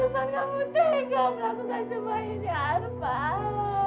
arman kamu tega melakukan semua ini arman